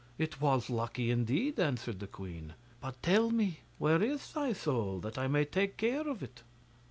'It was lucky indeed,' answered the queen; 'but tell me, where is thy soul, that I may take care of it?